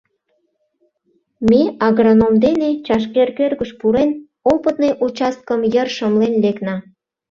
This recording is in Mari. Ме агроном дене, «чашкер» кӧргыш пурен, опытный участкым йыр шымлен лекна.